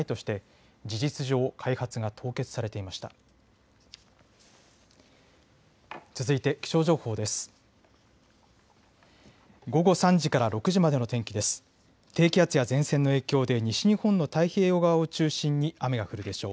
低気圧や前線の影響で西日本の太平洋側を中心に雨が降るでしょう。